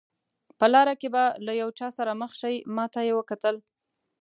په لاره کې به له یو چا سره مخ شئ، ما ته یې وکتل.